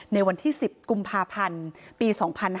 ในวันที่๑๐กุมภาพันธ์ปี๒๕๕๙